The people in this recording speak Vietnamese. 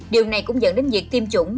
điều này cũng dẫn đến việc tiêm chủng